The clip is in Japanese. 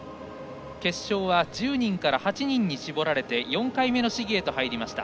決勝は１０人から８人に絞られて４回目の試技へと入りました。